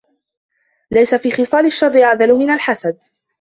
لَيْسَ فِي خِصَالِ الشَّرِّ أَعْدَلُ مِنْ الْحَسَدِ